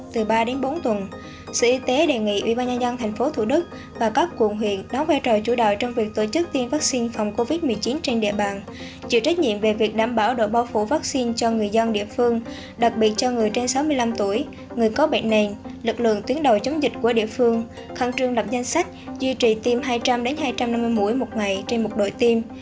từ ba đến bốn tuần sự y tế đề nghị ubnd tp thủ đức và các quận huyện đóng vai trò chủ đạo trong việc tổ chức tiêm vaccine phòng covid một mươi chín trên địa bàn chịu trách nhiệm về việc đảm bảo đội bao phủ vaccine cho người dân địa phương đặc biệt cho người trên sáu mươi năm tuổi người có bệnh này lực lượng tuyến đầu chống dịch của địa phương khẳng trương lập danh sách duy trì tiêm hai trăm linh hai trăm năm mươi mũi một ngày trên một đội tiêm